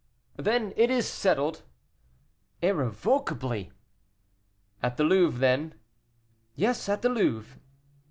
"Then it is settled?" "Irrevocably." "At the Louvre, then?" "Yes, at the Louvre."